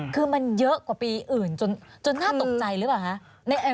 คือมันเยอะกว่าปีอื่นจนน่าตกใจหรือเปล่าคะ